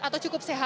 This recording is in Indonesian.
atau cukup berat